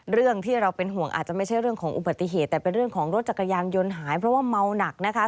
เรื่องที่เราเป็นห่วงอาจจะไม่ใช่เรื่องของอุบัติเหตุแต่เป็นเรื่องของรถจักรยานยนต์หายเพราะว่าเมาหนักนะคะ